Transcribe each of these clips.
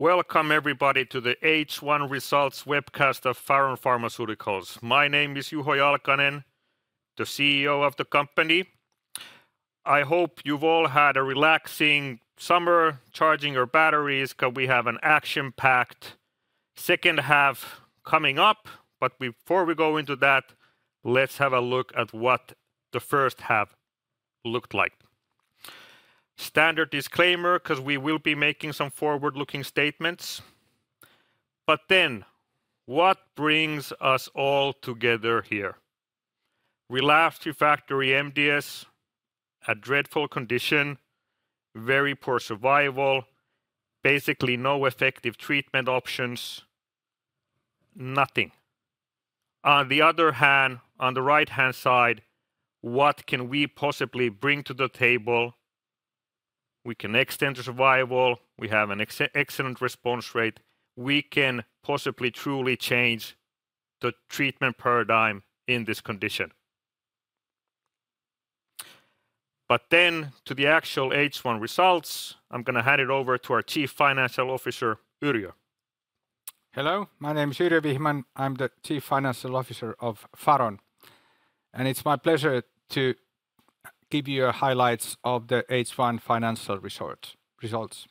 Welcome, everybody, to the H1 results webcast of Faron Pharmaceuticals. My name is Juho Jalkanen, the CEO of the company. I hope you've all had a relaxing summer, charging your batteries, 'cause we have an action-packed second half coming up. But before we go into that, let's have a look at what the first half looked like. Standard disclaimer, 'cause we will be making some forward-looking statements. But then, what brings us all together here? Relapsed refractory MDS, a dreadful condition, very poor survival, basically no effective treatment options, nothing. On the other hand, on the right-hand side, what can we possibly bring to the table? We can extend the survival. We have an excellent response rate. We can possibly truly change the treatment paradigm in this condition. But then, to the actual H1 results, I'm gonna hand it over to our Chief Financial Officer, Yrjö. Hello, my name is Yrjö Wichmann. I'm the Chief Financial Officer of Faron, and it's my pleasure to give you the highlights of the H1 financial results.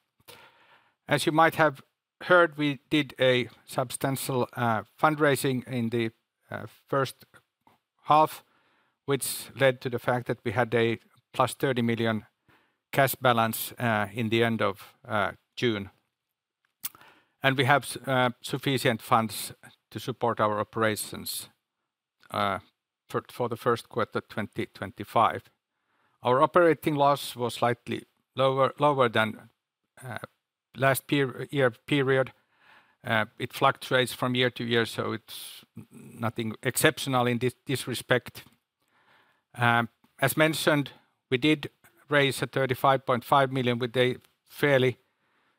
As you might have heard, we did a substantial fundraising in the first half, which led to the fact that we had a 30 million cash balance in the end of June. We have sufficient funds to support our operations for the first quarter of 2025. Our operating loss was slightly lower than last year period. It fluctuates from year to year, so it's nothing exceptional in this respect. As mentioned, we did raise 35.5 million with a fairly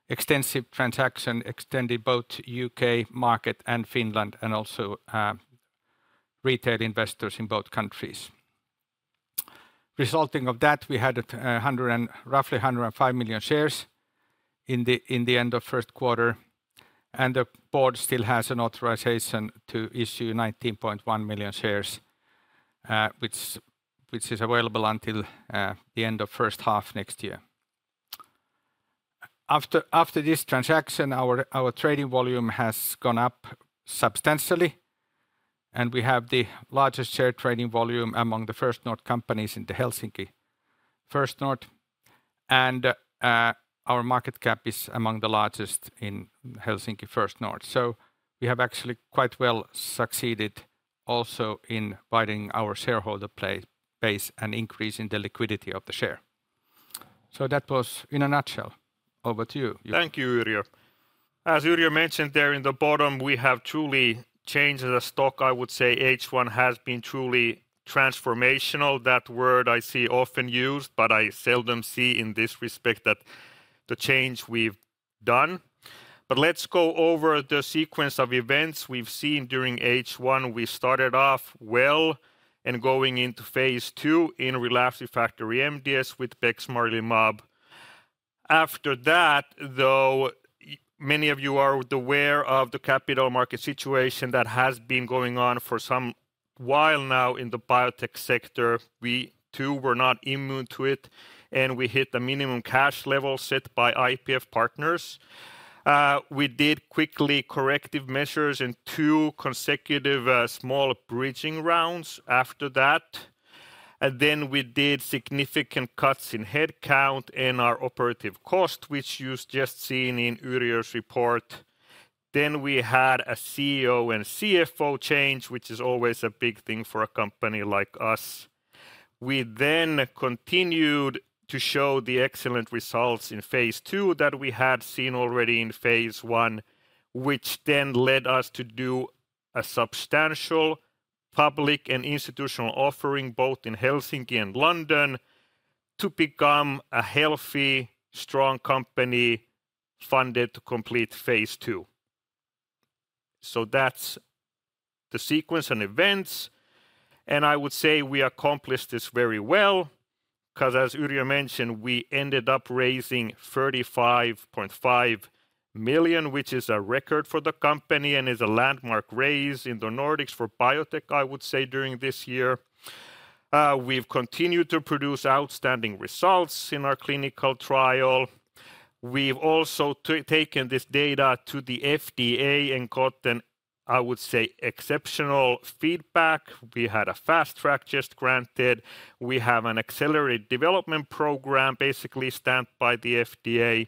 extensive transaction, extending both UK market and Finland, and also retail investors in both countries. Resulting from that, we had roughly 105 million shares in the end of first quarter, and the board still has an authorization to issue 19.1 million shares, which is available until the end of first half next year. After this transaction, our trading volume has gone up substantially, and we have the largest share trading volume among the First North companies in the Helsinki First North. And our market cap is among the largest in Helsinki First North. So we have actually quite well succeeded also in widening our shareholder base and increasing the liquidity of the share. So that was in a nutshell. Over to you, Juho. Thank you, Yrjö. As Yrjö mentioned there in the bottom, we have truly changed the stock. I would say H1 has been truly transformational. That word I see often used, but I seldom see in this respect that the change we've done. But let's go over the sequence of events we've seen during H1. We started off well and going into phase II in relapsed refractory MDS with bexmarilimab. After that, though, many of you are aware of the capital market situation that has been going on for some while now in the biotech sector. We, too, were not immune to it, and we hit a minimum cash level set by IPF Partners. We did quickly corrective measures in two consecutive small bridging rounds after that, and then we did significant cuts in headcount and our operating cost, which you've just seen in Yrjö's report. Then we had a CEO and CFO change, which is always a big thing for a company like us. We then continued to show the excellent results in phase II that we had seen already in phase I, which then led us to do a substantial public and institutional offering, both in Helsinki and London, to become a healthy, strong company, funded to complete phase II. So that's the sequence of events, and I would say we accomplished this very well, 'cause as Yrjö mentioned, we ended up raising 35.5 million, which is a record for the company and is a landmark raise in the Nordics for biotech, I would say, during this year. We've continued to produce outstanding results in our clinical trial. We've also taken this data to the FDA and got an, I would say, exceptional feedback. We had a Fast Track just granted. We have an accelerated development program, basically stamped by the FDA.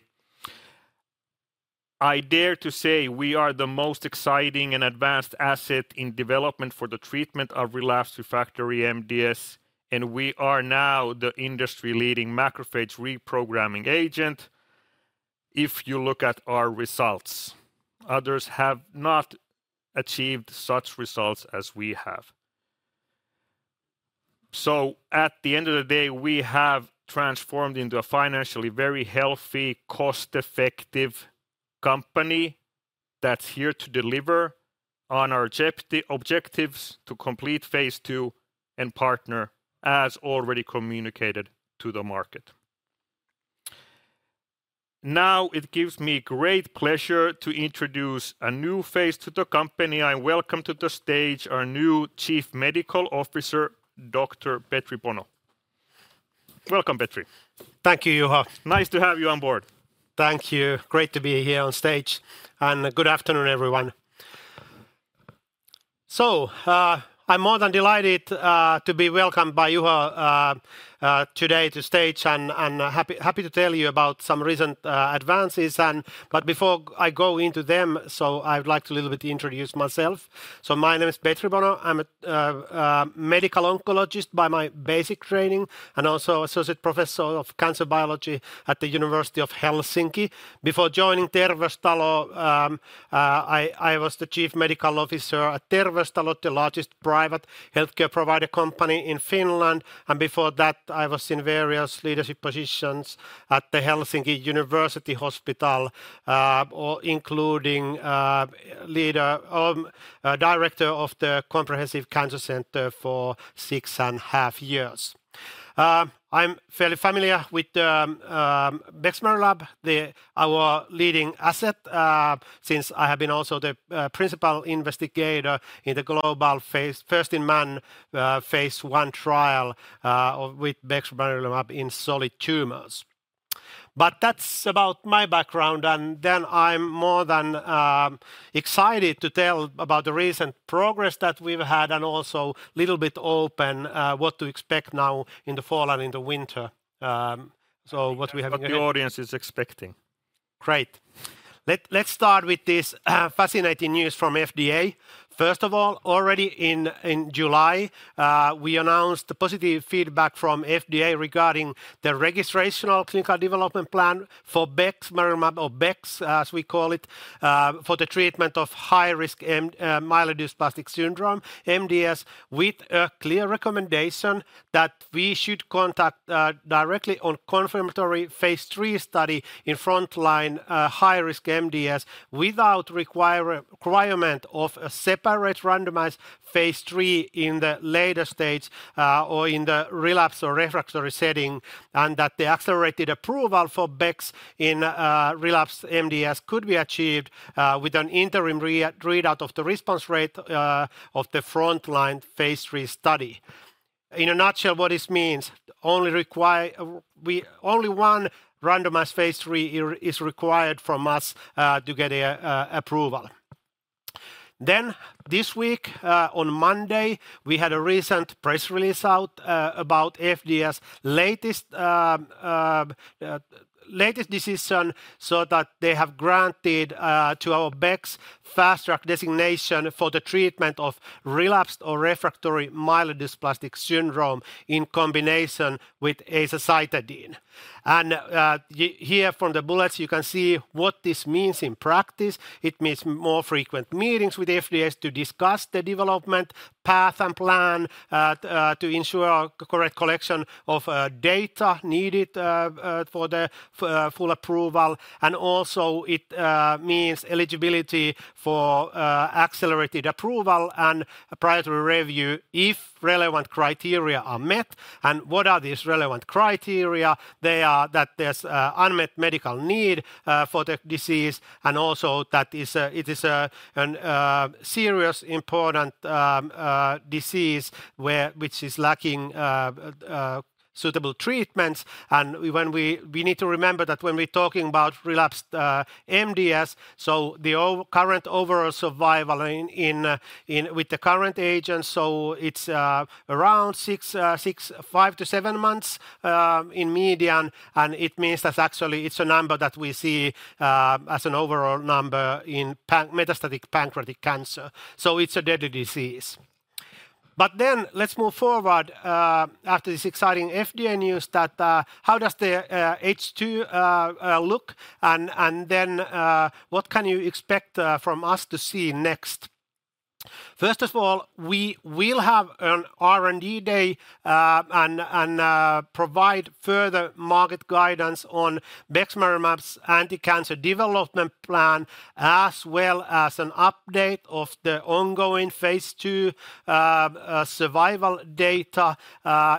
I dare to say we are the most exciting and advanced asset in development for the treatment of relapsed refractory MDS, and we are now the industry-leading macrophage reprogramming agent, if you look at our results. Others have not achieved such results as we have. So at the end of the day, we have transformed into a financially very healthy, cost-effective company that's here to deliver on our key objectives to complete phase II and partner, as already communicated to the market. Now, it gives me great pleasure to introduce a new face to the company. I welcome to the stage our new Chief Medical Officer, Dr. Petri Bono. Welcome, Petri. Thank you, Juho. Nice to have you on board. Thank you. Great to be here on stage, and good afternoon, everyone. I'm more than delighted to be welcomed by Juho today to stage, and happy to tell you about some recent advances and but before I go into them. I would like to a little bit introduce myself. My name is Petri Bono. I'm a medical oncologist by my basic training, and also Associate Professor of Cancer Biology at the University of Helsinki. Before joining Terveystalo, I was the Chief Medical Officer at Terveystalo, the largest private healthcare provider company in Finland, and before that, I was in various leadership positions at the Helsinki University Hospital, including Director of the Comprehensive Cancer Center for six and a half years. I'm fairly familiar with bexmarilimab, our leading asset, since I have been also the principal investigator in the global first-in-man phase I trial with bexmarilimab in solid tumors. But that's about my background, and then I'm more than excited to tell about the recent progress that we've had and also little bit open what to expect now in the fall and in the winter. What we have again? What the audience is expecting. Great! Let's start with this fascinating news from FDA. First of all, already in July, we announced the positive feedback from FDA regarding the registrational clinical development plan for bexmarilimab, or Bex, as we call it, for the treatment of high-risk myelodysplastic syndrome, MDS, with a clear recommendation that we should conduct directly a confirmatory phase III study in frontline high-risk MDS, without requirement of a separate randomized phase III in the later stage, or in the relapsed or refractory setting, and that the Accelerated Approval for Bex in relapsed MDS could be achieved with an interim readout of the response rate of the frontline phase III study. In a nutshell, what this means, only one randomized phase III here is required from us to get approval. Then, this week, on Monday, we had a recent press release out, about FDA's latest decision, so that they have granted to our Bex, Fast Track designation for the treatment of relapsed or refractory myelodysplastic syndrome in combination with azacitidine. And here from the bullets, you can see what this means in practice. It means more frequent meetings with FDA to discuss the development path and plan to ensure our correct collection of data needed for the full approval, and also it means eligibility for Accelerated Approval and Priority Review if relevant criteria are met. And what are these relevant criteria? They are that there's unmet medical need for the disease, and also that it is a serious important disease, which is lacking suitable treatments. And when we need to remember that when we're talking about relapsed MDS, so the current overall survival with the current agents, so it's around six, five to seven months in median, and it means that actually it's a number that we see as an overall number in pancreatic metastatic cancer. So it's a deadly disease. But then, let's move forward after this exciting FDA news. How does the H2 look, and then what can you expect from us to see next? First of all, we will have an R&D Day and provide further market guidance on bexmarilimab's anti-cancer development plan, as well as an update of the ongoing phase II survival data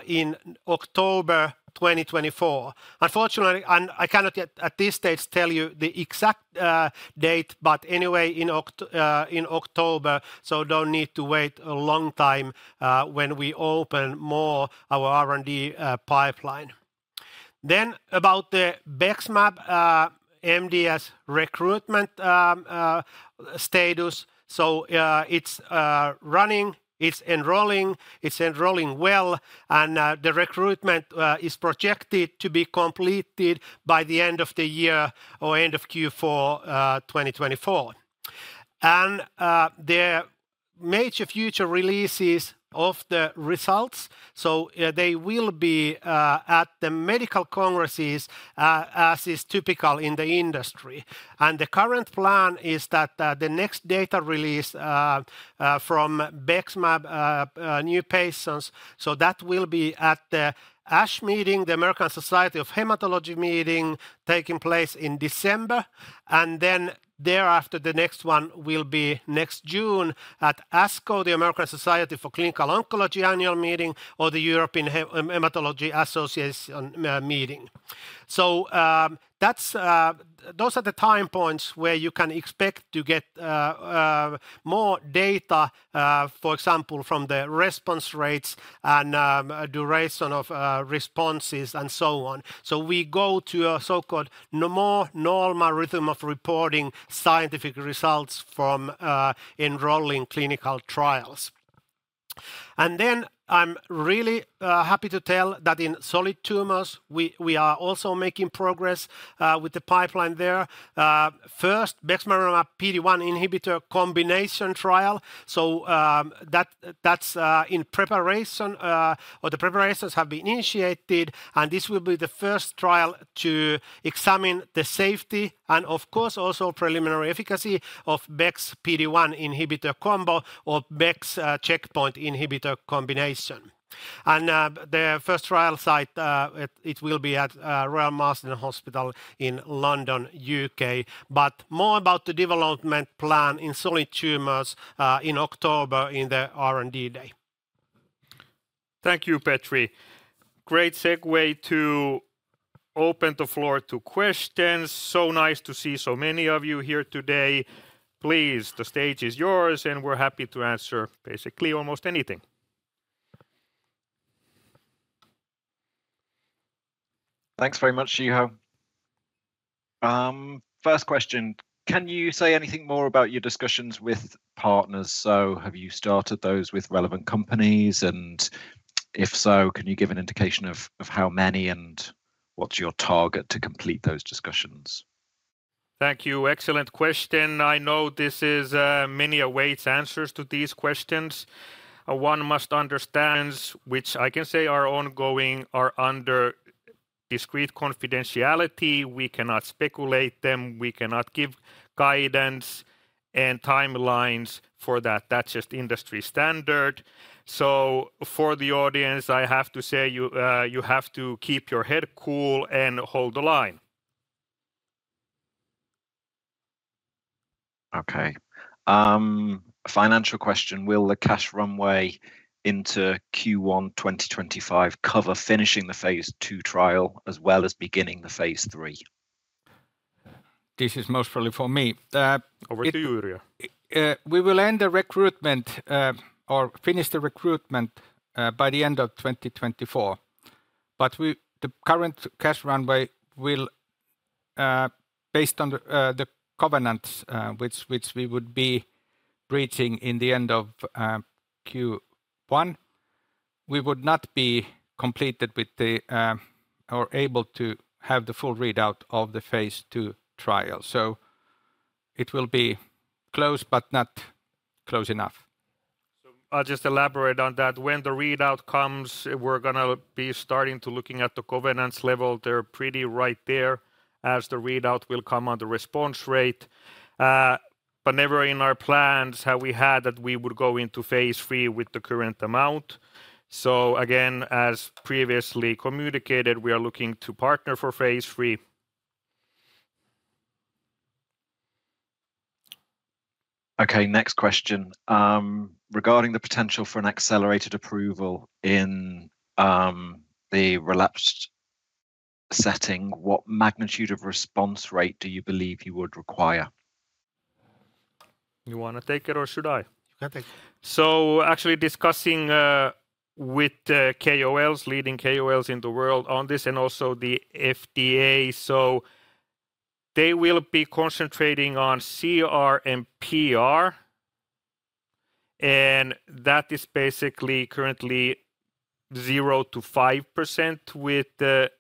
in October 2024. Unfortunately, I cannot yet at this stage tell you the exact date, but anyway, in October, so don't need to wait a long time when we open more our R&D pipeline. Then, about the BEXMAB MDS recruitment status. So, it's running, it's enrolling, it's enrolling well, and the recruitment is projected to be completed by the end of the year or end of Q4 2024. And the major future releases of the results, so they will be at the medical congresses as is typical in the industry. And the current plan is that the next data release from BEXMAB new patients, so that will be at the ASH meeting, the American Society of Hematology meeting, taking place in December, and then thereafter, the next one will be next June at ASCO, the American Society of Clinical Oncology annual meeting or the European Hematology Association meeting. So that's those are the time points where you can expect to get more data for example from the response rates and duration of responses, and so on. So we go to a so-called more normal rhythm of reporting scientific results from enrolling clinical trials. And then I'm really happy to tell that in solid tumors, we are also making progress with the pipeline there. First, bexmarilimab PD-1 inhibitor combination trial, that's in preparation or the preparations have been initiated, and this will be the first trial to examine the safety, and of course, also preliminary efficacy of Bex PD-1 inhibitor combo or Bex checkpoint inhibitor combination. The first trial site will be at Royal Marsden Hospital in London, U.K. But more about the development plan in solid tumors in October, in the R&D Day. Thank you, Petri. Great segue to open the floor to questions. So nice to see so many of you here today. Please, the stage is yours, and we're happy to answer basically almost anything. Thanks very much, Juho. First question: Can you say anything more about your discussions with partners? So have you started those with relevant companies, and if so, can you give an indication of how many, and what's your target to complete those discussions? Thank you. Excellent question. I know this is. Many await answers to these questions. One must understand, which I can say are ongoing, are under discrete confidentiality. We cannot speculate them. We cannot give guidance and timelines for that. That's just industry standard. So for the audience, I have to say, you have to keep your head cool and hold the line. Okay. Financial question: Will the cash runway into Q1 2025 cover finishing the phase II trial, as well as beginning the phase III? This is most probably for me. Over to you, Yrjö. We will end the recruitment, or finish the recruitment, by the end of 2024. But we, the current cash runway will, based on the, the covenants, which we would be reaching in the end of, Q1, we would not be completed with the, or able to have the full readout of the phase II trial. So it will be close, but not close enough. So I'll just elaborate on that. When the readout comes, we're gonna be starting to looking at the covenants level. They're pretty right there, as the readout will come on the response rate, but never in our plans have we had that we would go into phase III with the current amount. So again, as previously communicated, we are looking to partner for phase III. Okay, next question. Regarding the potential for an Accelerated Approval in the relapsed setting, what magnitude of response rate do you believe you would require? You wanna take it or should I? You can take it. So actually discussing with the KOLs, leading KOLs in the world on this, and also the FDA, so they will be concentrating on CR and PR, and that is basically currently 0%-5% with the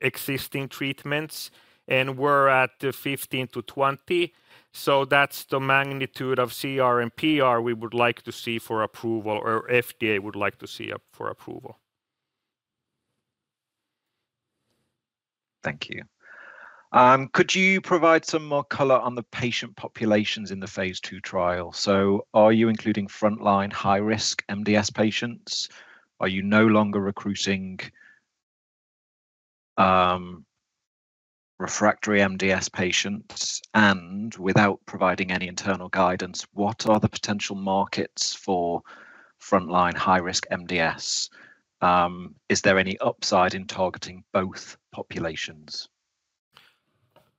existing treatments, and we're at 15%-20%, so that's the magnitude of CR and PR we would like to see for approval, or FDA would like to see up for approval. Thank you. Could you provide some more color on the patient populations in the phase II trial? So are you including frontline high-risk MDS patients? Are you no longer recruiting, refractory MDS patients? And without providing any internal guidance, what are the potential markets for frontline high-risk MDS? Is there any upside in targeting both populations?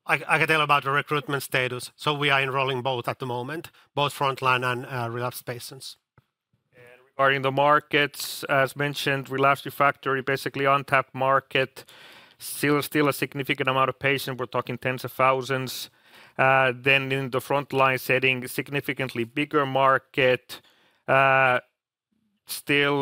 I can tell about the recruitment status, so we are enrolling both at the moment, both frontline and relapsed patients. Regarding the markets, as mentioned, relapsed refractory, basically untapped market. Still a significant amount of patients, we're talking tens of thousands. Then in the frontline setting, significantly bigger market. Still,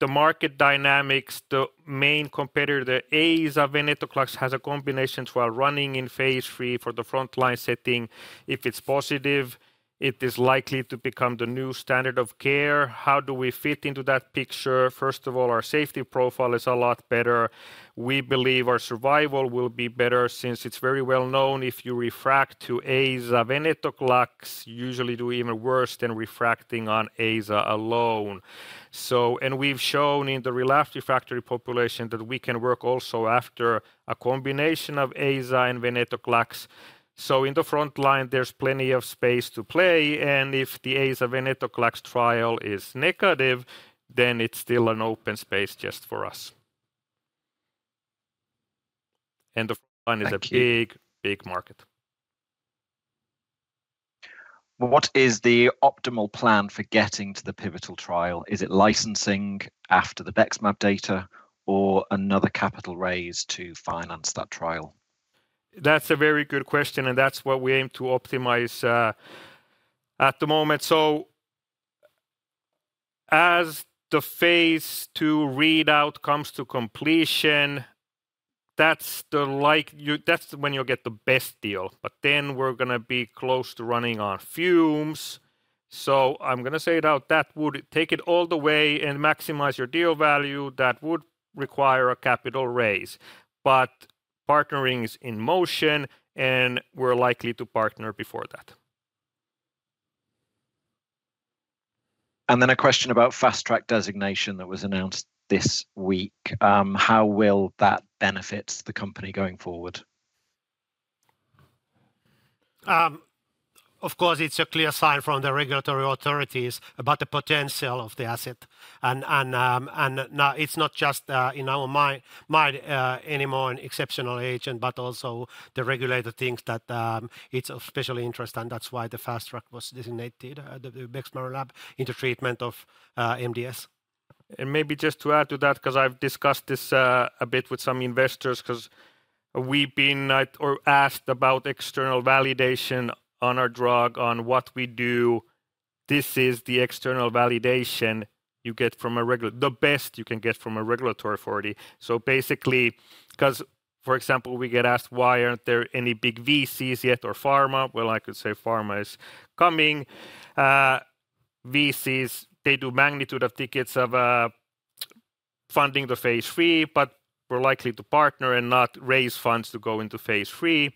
the market dynamics, the main competitor, the aza venetoclax, has a combination trial running in phase III for the frontline setting. If it's positive, it is likely to become the new standard of care. How do we fit into that picture? First of all, our safety profile is a lot better. We believe our survival will be better, since it's very well known, if you are refractory to aza venetoclax, you usually do even worse than refractory on aza alone. So, and we've shown in the relapsed refractory population that we can work also after a combination of aza and venetoclax. So in the frontline, there's plenty of space to play, and if the aza venetoclax trial is negative, then it's still an open space just for us... and the front line is a big, big market. What is the optimal plan for getting to the pivotal trial? Is it licensing after the BEXMAB data or another capital raise to finance that trial? That's a very good question, and that's what we aim to optimize at the moment. So as the phase II readout comes to completion, that's when you'll get the best deal, but then we're gonna be close to running on fumes. So I'm gonna say it out, that would take it all the way and maximize your deal value, that would require a capital raise. But partnering is in motion, and we're likely to partner before that. And then a question about Fast Track designation that was announced this week. How will that benefit the company going forward? Of course, it's a clear sign from the regulatory authorities about the potential of the asset. Now it's not just in our mind anymore, an exceptional agent, but also the regulator thinks that it's of special interest, and that's why the Fast Track was designated, the bexmarilimab in the treatment of MDS. Maybe just to add to that, 'cause I've discussed this a bit with some investors, 'cause we've been or asked about external validation on our drug, on what we do. This is the external validation you get from a regulatory authority, the best you can get from a regulatory authority. Basically, 'cause, for example, we get asked, "Why aren't there any big VCs yet, or pharma?" I could say pharma is coming. VCs, they do magnitude of tickets of funding the phase III, but we're likely to partner and not raise funds to go into phase III.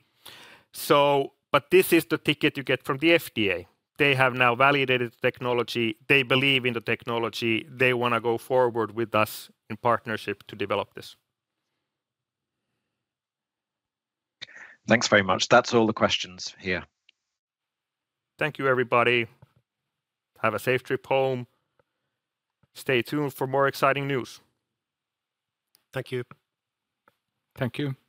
This is the ticket you get from the FDA. They have now validated the technology. They believe in the technology. They wanna go forward with us in partnership to develop this. Thanks very much. That's all the questions here. Thank you, everybody. Have a safe trip home. Stay tuned for more exciting news. Thank you. Thank you.